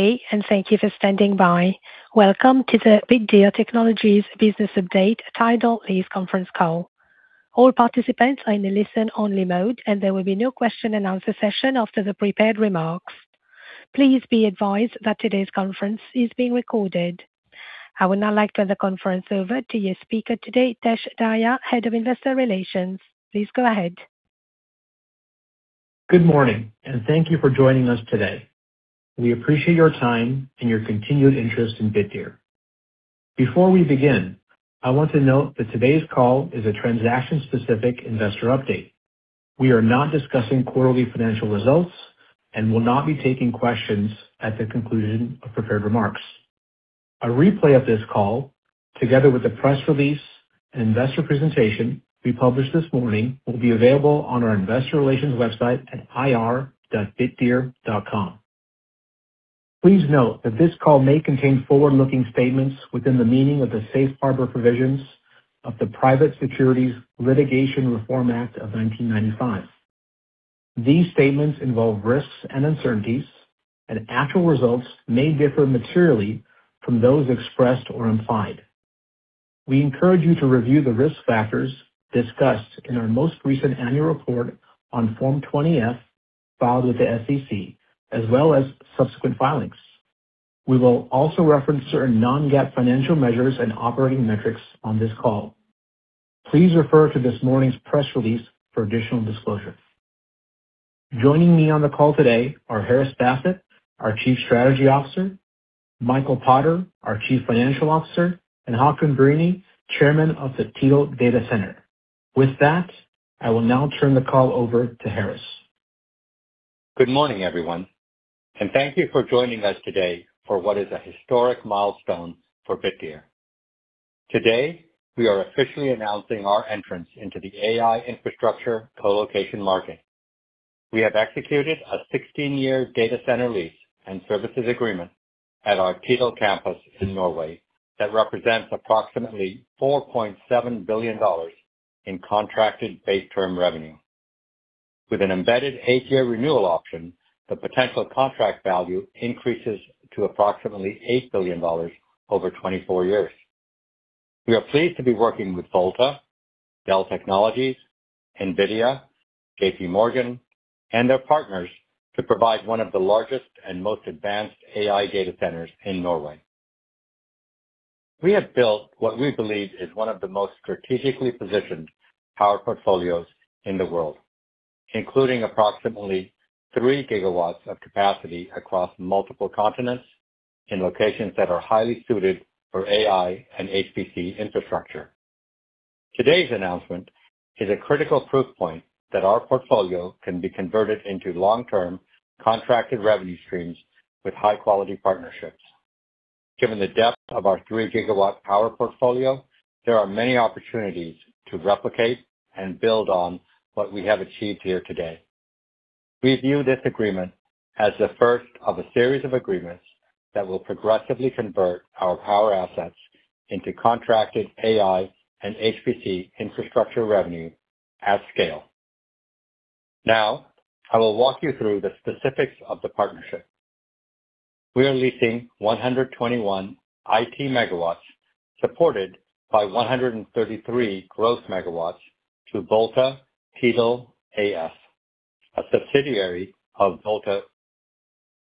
Day. Thank you for standing by. Welcome to the Bitdeer Technologies business update Tydal Lease conference call. All participants are in a listen-only mode. There will be no question-and-answer session after the prepared remarks. Please be advised that today's conference is being recorded. I would now like to hand the conference over to your speaker today, Tesh Dahya, Head of Investor Relations. Please go ahead. Good morning. Thank you for joining us today. We appreciate your time and your continued interest in Bitdeer. Before we begin, I want to note that today's call is a transaction-specific investor update. We are not discussing quarterly financial results and will not be taking questions at the conclusion of prepared remarks. A replay of this call, together with the press release and investor presentation we published this morning, will be available on our investor relations website at ir.bitdeer.com. Please note that this call may contain forward-looking statements within the meaning of the Safe Harbor Provisions of the Private Securities Litigation Reform Act of 1995. These statements involve risks and uncertainties. Actual results may differ materially from those expressed or implied. We encourage you to review the risk factors discussed in our most recent annual report on Form 20-F filed with the SEC, as well as subsequent filings. We will also reference certain non-GAAP financial measures and operating metrics on this call. Please refer to this morning's press release for additional disclosures. Joining me on the call today are Haris Basit, our Chief Strategy Officer, Michael Potter, our Chief Financial Officer, and Haakon Bryhni, Chairman of the Tydal Data Center. With that, I will now turn the call over to Haris. Good morning, everyone. Thank you for joining us today for what is a historic milestone for Bitdeer. Today, we are officially announcing our entrance into the AI infrastructure colocation market. We have executed a 16-year data center lease and services agreement at our Tydal campus in Norway that represents approximately $4.7 billion in contracted base term revenue. With an embedded eight-year renewal option, the potential contract value increases to approximately $8 billion over 24 years. We are pleased to be working with Volta, Dell Technologies, NVIDIA, JPMorgan, and their partners to provide one of the largest and most advanced AI data centers in Norway. We have built what we believe is one of the most strategically positioned power portfolios in the world, including approximately three gigawatts of capacity across multiple continents in locations that are highly suited for AI and HPC infrastructure. Today's announcement is a critical proof point that our portfolio can be converted into long-term contracted revenue streams with high-quality partnerships. Given the depth of our 3 GW power portfolio, there are many opportunities to replicate and build on what we have achieved here today. We view this agreement as the first of a series of agreements that will progressively convert our power assets into contracted AI and HPC infrastructure revenue at scale. Now, I will walk you through the specifics of the partnership. We are leasing 121 MW IT supported by 133 gross megawatts to Volta Tydal AS, a subsidiary of Volta.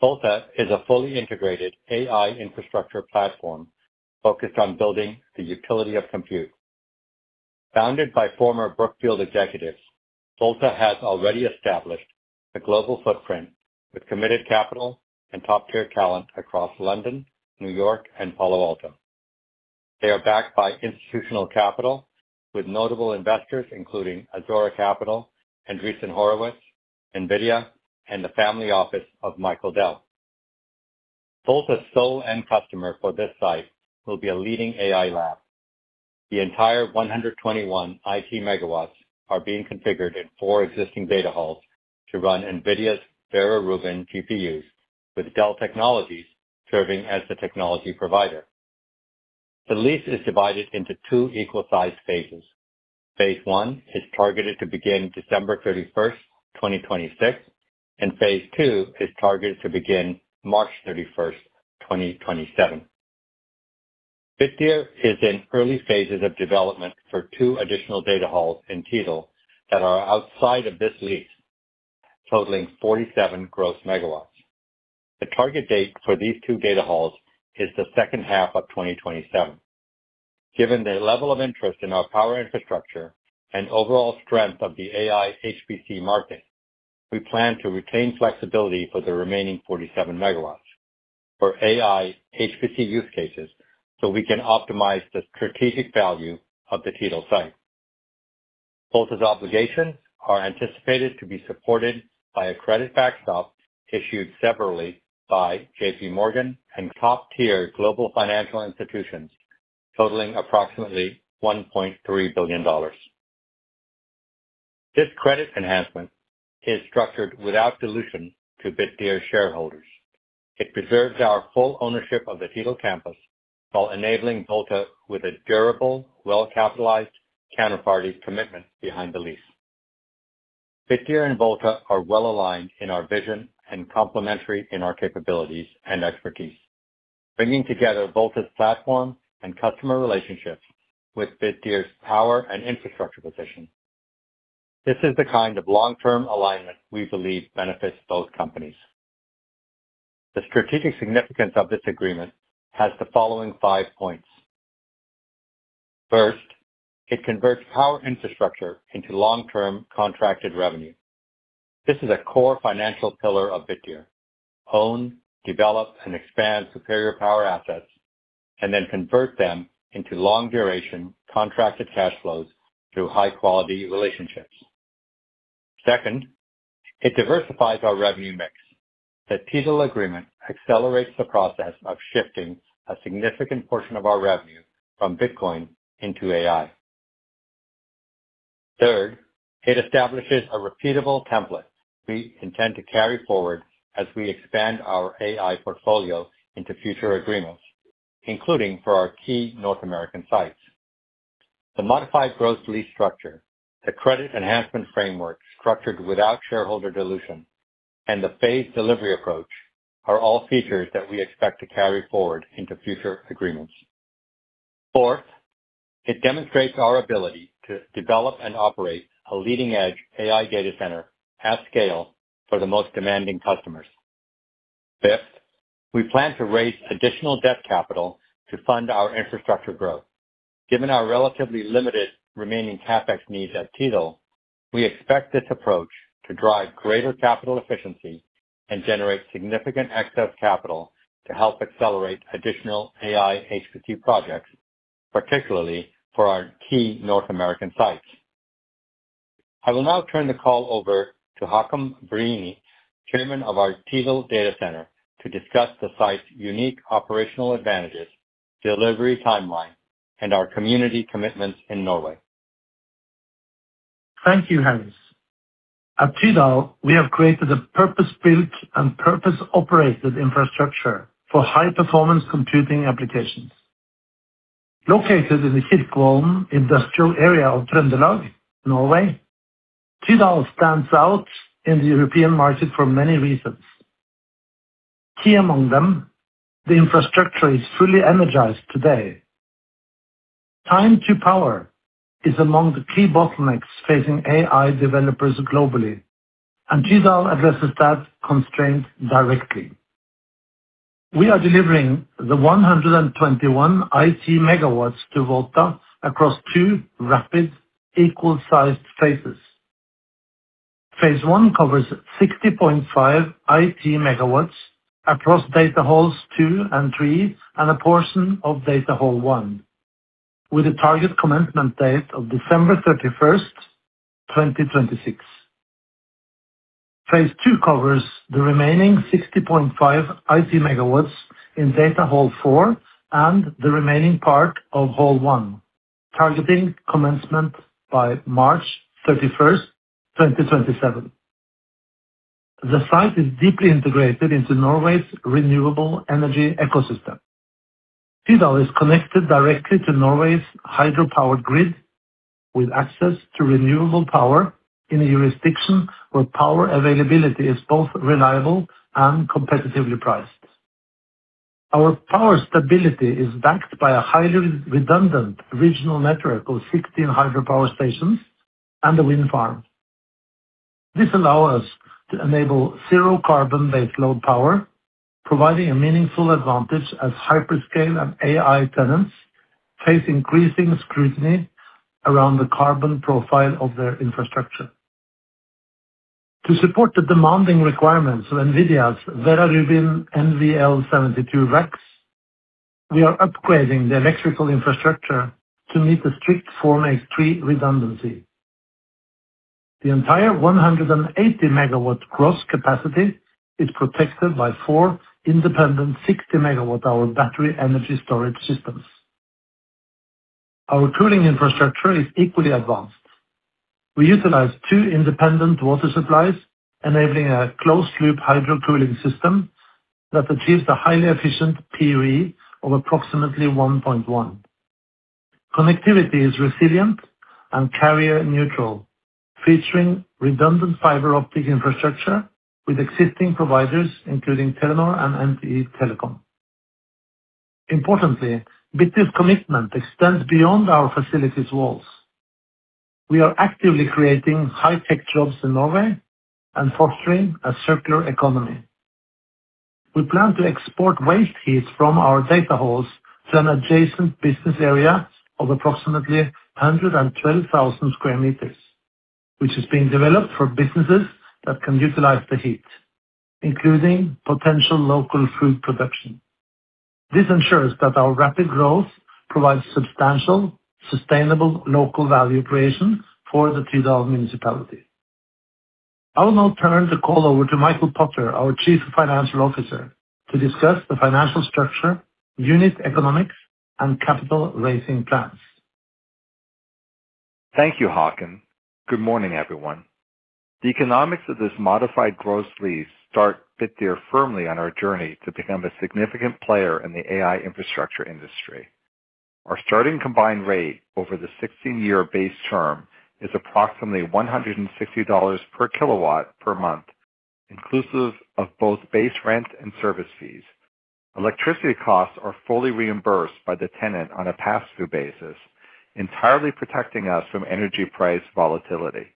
Volta is a fully integrated AI infrastructure platform focused on building the utility of compute. Founded by former Brookfield executives, Volta has already established a global footprint with committed capital and top-tier talent across London, New York, and Palo Alto. They are backed by institutional capital with notable investors including [Adora Capital], Andreessen Horowitz, NVIDIA, and the family office of Michael Dell. Volta's sole end customer for this site will be a leading AI lab. The entire 121 MW IT are being configured in four existing data halls to run NVIDIA's Rubin GPUs, with Dell Technologies serving as the technology provider. The lease is divided into two equal sized phases. Phase one is targeted to begin December 31st, 2026, and phase two is targeted to begin March 31st, 2027. Bitdeer is in early phases of development for two additional data halls in Tydal that are outside of this lease, totaling 47 gross megawatts. The target date for these two data halls is the second half of 2027. Given the level of interest in our power infrastructure and overall strength of the AI HPC market, we plan to retain flexibility for the remaining 47 MW for AI HPC use cases so we can optimize the strategic value of the Tydal site. Volta's obligations are anticipated to be supported by a credit backstop issued severally by JPMorgan and top-tier global financial institutions totaling approximately $1.3 billion. This credit enhancement is structured without dilution to Bitdeer shareholders. It preserves our full ownership of the Tydal campus while enabling Volta with a durable, well-capitalized counterparty commitment behind the lease. Bitdeer and Volta are well-aligned in our vision and complementary in our capabilities and expertise, bringing together Volta's platform and customer relationships with Bitdeer's power and infrastructure position. This is the kind of long-term alignment we believe benefits both companies. The strategic significance of this agreement has the following five points. First, it converts power infrastructure into long-term contracted revenue. This is a core financial pillar of Bitdeer. Own, develop and expand superior power assets, and then convert them into long-duration contracted cash flows through high-quality relationships. Second, it diversifies our revenue mix. The Tydal agreement accelerates the process of shifting a significant portion of our revenue from Bitcoin into AI. Third, it establishes a repeatable template we intend to carry forward as we expand our AI portfolio into future agreements, including for our key North American sites. The modified gross lease structure, the credit enhancement framework structured without shareholder dilution, and the phased delivery approach are all features that we expect to carry forward into future agreements. Fourth, it demonstrates our ability to develop and operate a leading-edge AI data center at scale for the most demanding customers. Fifth, we plan to raise additional debt capital to fund our infrastructure growth. Given our relatively limited remaining CapEx needs at Tydal, we expect this approach to drive greater capital efficiency and generate significant excess capital to help accelerate additional AI HCP projects, particularly for our key North American sites. I will now turn the call over to Haakon Bryhni, Chairman of our Tydal data center, to discuss the site's unique operational advantages, delivery timeline, and our community commitments in Norway. Thank you, Haris. At Tydal, we have created a purpose-built and purpose-operated infrastructure for high-performance computing applications. Located in the Kirkvollen industrial area of Trøndelag, Norway, Tydal stands out in the European market for many reasons. Key among them, the infrastructure is fully energized today. Time to power is among the key bottlenecks facing AI developers globally, and Tydal addresses that constraint directly. We are delivering the 121 MW IT to Volta across two rapid equal-sized phases. Phase one covers 60.5 MW IT across data halls two and three, and a portion of data hall one, with a target commencement date of December 31st, 2026. Phase two covers the remaining 60.5 MW IT in data hall four and the remaining part of hall one, targeting commencement by March 31st, 2027. The site is deeply integrated into Norway's renewable energy ecosystem. Tydal is connected directly to Norway's hydropower grid with access to renewable power in a jurisdiction where power availability is both reliable and competitively priced. Our power stability is backed by a highly redundant regional network of 16 hydropower stations and a wind farm. This allow us to enable zero carbon baseload power, providing a meaningful advantage as hyperscale and AI tenants face increasing scrutiny around the carbon profile of their infrastructure. To support the demanding requirements of NVIDIA's Rubin NVL72 racks, we are upgrading the electrical infrastructure to meet the strict 4N/3 redundancy. The entire 180 MW gross capacity is protected by four independent 60 megawatt-hour battery energy storage systems. Our cooling infrastructure is equally advanced. We utilize two independent water supplies, enabling a closed-loop hydrocooling system that achieves the highly efficient PUE of approximately 1.1. Connectivity is resilient and carrier neutral, featuring redundant fiber optic infrastructure with existing providers, including Telenor and NT Telecom. Importantly, Bitdeer's commitment extends beyond our facility's walls. We are actively creating high-tech jobs in Norway and fostering a circular economy. We plan to export waste heat from our data halls to an adjacent business area of approximately 112,000 sq m, which is being developed for businesses that can utilize the heat, including potential local food production. This ensures that our rapid growth provides substantial, sustainable local value creation for the Tydal municipality. I will now turn the call over to Michael Potter, our Chief Financial Officer, to discuss the financial structure, unit economics, and capital raising plans. Thank you, Haakon. Good morning, everyone. The economics of this modified gross lease start Bitdeer firmly on our journey to become a significant player in the AI infrastructure industry. Our starting combined rate over the 16-year base term is approximately $160 per kilowatt per month, inclusive of both base rent and service fees. Electricity costs are fully reimbursed by the tenant on a pass-through basis, entirely protecting us from energy price volatility.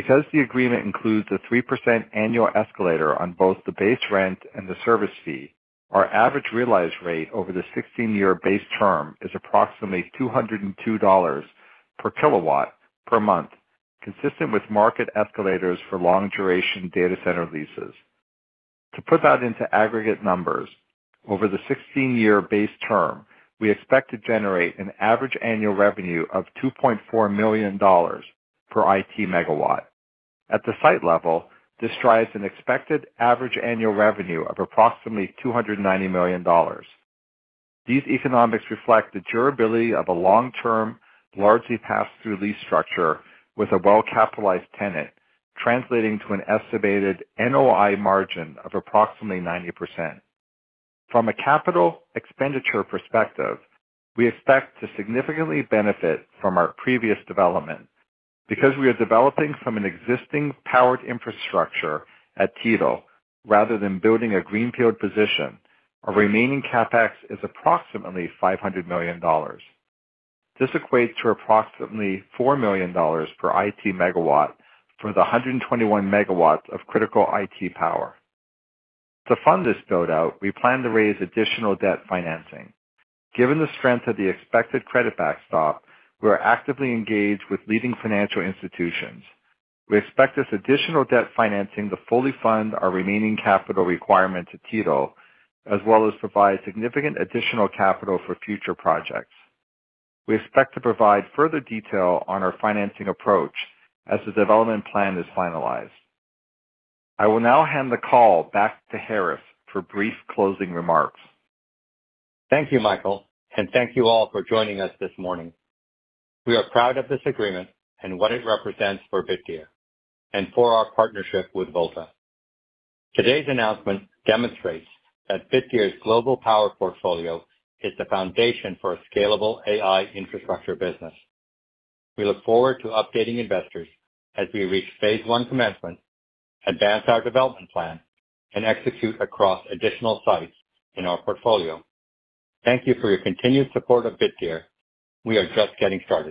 Because the agreement includes a 3% annual escalator on both the base rent and the service fee, our average realized rate over the 16-year base term is approximately $202 per kilowatt per month, consistent with market escalators for long-duration data center leases. To put that into aggregate numbers, over the 16-year base term, we expect to generate an average annual revenue of $2.4 million per IT megawatt. At the site level, this drives an expected average annual revenue of approximately $290 million. These economics reflect the durability of a long-term, largely pass-through lease structure with a well-capitalized tenant, translating to an estimated NOI margin of approximately 90%. From a capital expenditure perspective, we expect to significantly benefit from our previous development. Because we are developing from an existing powered infrastructure at Tydal rather than building a greenfield position, our remaining CapEx is approximately $500 million. This equates to approximately $4 million per IT megawatt for the 121 MW of critical IT power. To fund this build-out, we plan to raise additional debt financing. Given the strength of the expected credit backstop, we are actively engaged with leading financial institutions. We expect this additional debt financing to fully fund our remaining capital requirement to Tydal, as well as provide significant additional capital for future projects. We expect to provide further detail on our financing approach as the development plan is finalized. I will now hand the call back to Haris for brief closing remarks. Thank you, Michael, and thank you all for joining us this morning. We are proud of this agreement and what it represents for Bitdeer and for our partnership with Volta. Today's announcement demonstrates that Bitdeer's global power portfolio is the foundation for a scalable AI infrastructure business. We look forward to updating investors as we reach phase one commencement, advance our development plan, and execute across additional sites in our portfolio. Thank you for your continued support of Bitdeer. We are just getting started.